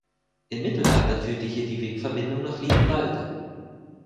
Im Mittelalter führte hier die Wegverbindung nach Liebenwalde.